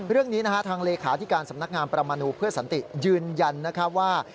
เรื่องนี้ทางเลขาที่การสำนักงานประมาณูเพื่อสันติยืนยันว่า